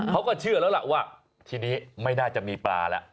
เขาก็เชื่อแล้วล่ะว่าทีนี้ไม่น่าจะมีปลาแล้ว